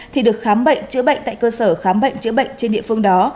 thì được khám bệnh chữ bệnh tại cơ sở khám bệnh chữ bệnh trên địa phương đó